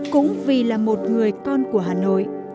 cũng vì là một người con của hà nội